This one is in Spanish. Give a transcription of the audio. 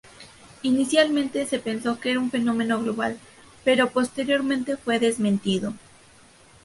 Inicialmente se pensó que era un fenómeno global, pero posteriormente fue desmentido.